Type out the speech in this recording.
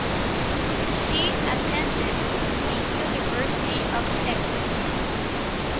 She attended the University of Texas.